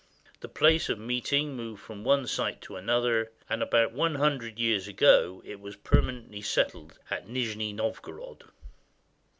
The place of meeting moved from one site to another, and about one hundred years ago it was permanently settled at Nijni Novgorod.